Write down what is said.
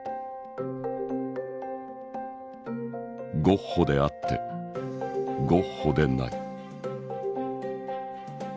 ゴッホであってゴッホでない。